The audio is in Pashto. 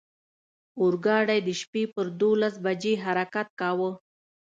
اورګاډی د شپې پر دولس بجې حرکت کاوه.